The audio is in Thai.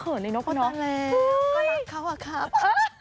เขินเลยเนอะคุณน้องอุ๊ยอุ๊ยก็หลับเค้าอ่ะครับ